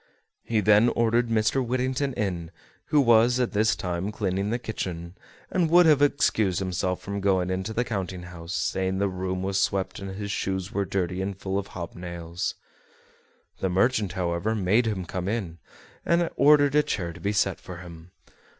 He then ordered Mr. Whittington in, who was at this time cleaning the kitchen and would have excused himself from going into the counting house, saying the room was swept and his shoes were dirty and full of hob nails. The merchant, however, made him come in, and ordered a chair to be set for him.